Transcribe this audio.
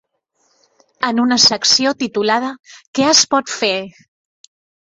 En una secció titulada "Què es pot fer?"